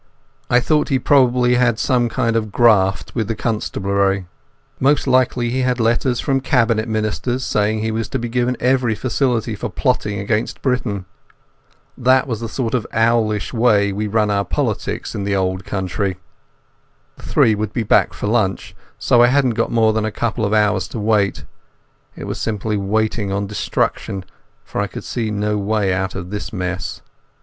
I thought he probably had some kind of graft with the constabulary. Most likely he had letters from Cabinet Ministers saying he was to be given every facility for plotting against Britain. That's the sort of owlish way we run our politics in this jolly old country. The three would be back for lunch, so I hadn't more than a couple of hours to wait. It was simply waiting on destruction, for I could see no way out of this mess.